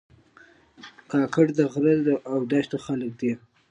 کاکړ د غره او دښتو خلک دي.